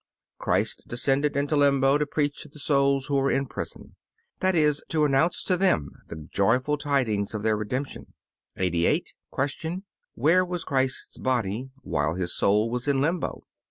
Christ descended into Limbo to preach to the souls who were in prison that is, to announce to them the joyful tidings of their redemption. 88. Q. Where was Christ's body while His soul was in Limbo?